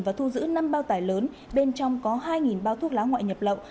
và thu giữ năm bao tải lớn bên trong có hai bao thuốc lá ngoại nhập lậu